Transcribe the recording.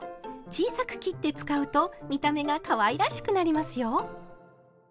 小さく切って使うと見た目がかわいらしくなりますよ。